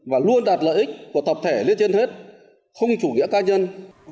và luôn đạt lợi ích của tập thể lên trên hết không chủ nghĩa ca nhân